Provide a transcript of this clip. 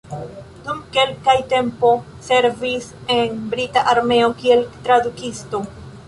Dum kelka tempo servis en brita armeo kiel tradukisto.